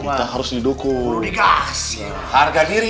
pertarungan perlu dikasih harga diri